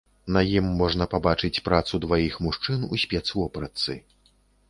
На ім можна пабачыць працу дваіх мужчын у спецвопратцы.